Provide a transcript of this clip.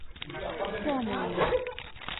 今日もいる